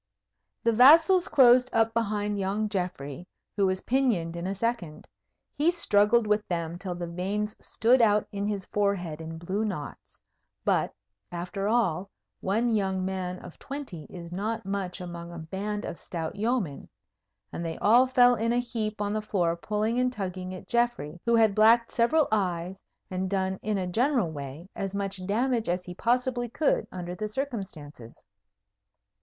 The vassals closed up behind young Geoffrey, who was pinioned in a second. He struggled with them till the veins stood out in his forehead in blue knots; but, after all, one young man of twenty is not much among a band of stout yeomen; and they all fell in a heap on the floor, pulling and tugging at Geoffrey, who had blacked several eyes, and done in a general way as much damage as he possibly could under the circumstances.